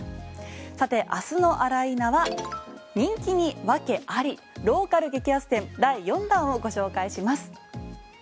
さて、明日のあら、いーな！は人気に訳ありローカル激安店第４弾をご紹介します。